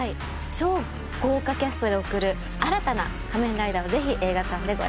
超豪華キャストで送る新たな『仮面ライダー』をぜひ映画館でご覧ください。